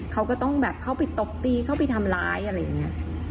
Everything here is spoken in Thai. เขาก็ต้องแบบเข้าไปตบตีเข้าไปทำร้ายอะไรอย่างนี้